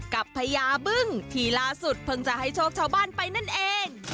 พญาบึ้งที่ล่าสุดเพิ่งจะให้โชคชาวบ้านไปนั่นเอง